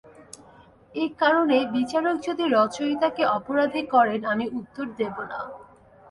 এই কারণে বিচারক যদি রচয়িতাকে অপরাধী করেন আমি উত্তর দেব না।